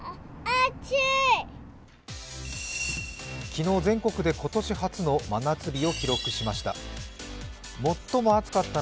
昨日全国で今年初の真夏日を記録しました。